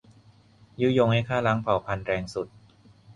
ยุยงให้ฆ่าล้างเผ่าพันธุ์แรงสุด